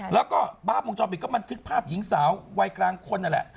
แล้วก็ภาพวงจรปิดก็บันทึกภาพหญิงสาววัยกลางคนนั่นแหละ